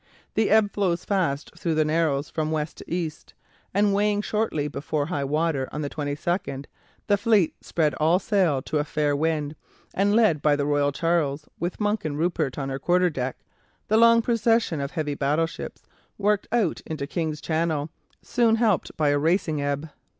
The ebb flows fast through the narrows from west to east, and weighing shortly before high water on the 22nd, the fleet spread all sail to a fair wind, and led by the "Royal Charles" with Monk and Rupert on her quarter deck, the long procession of heavy battleships worked out into King's Channel, soon helped by a racing ebb.